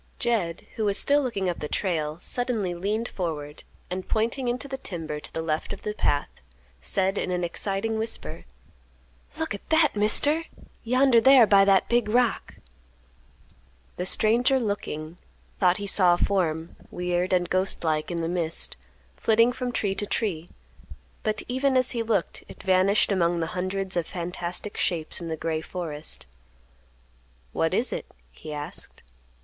Jed, who was still looking up the trail, suddenly leaned forward, and, pointing into the timber to the left of the path, said in an exciting whisper, "Look at that, Mister; yonder thar by that big rock." The stranger, looking, thought he saw a form, weird and ghost like in the mist, flitting from tree to tree, but, even as he looked, it vanished among the hundreds of fantastic shapes in the gray forest. "What is it?" he asked.